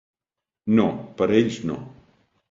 No, per a ells no.